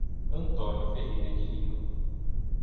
Antônio Ferreira de Lima